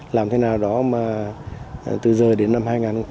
làm thế nào đó mà từ giờ đến năm hai nghìn hai mươi